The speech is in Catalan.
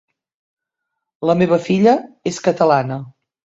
La meva filla és catalana.